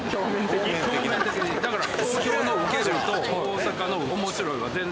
だから。